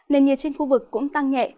nên nhiệt trên khu vực cũng tăng nhẹ